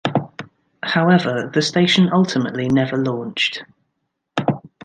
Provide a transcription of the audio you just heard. However, the station ultimately never launched.